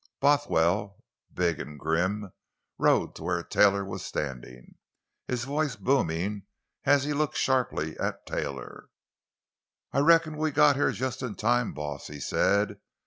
Bothwell, big and grim, rode to where Taylor was standing, his voice booming as he looked sharply at Taylor. "I reckon we got here just in time, boss!" he said.